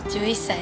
１１歳。